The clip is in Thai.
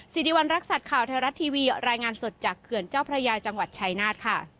สิริวัณรักษัตริย์ข่าวไทยรัฐทีวีรายงานสดจากเขื่อนเจ้าพระยาจังหวัดชายนาฏค่ะ